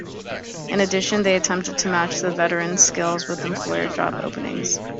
In addition they attempt to match the veteran's skills with employer job openings.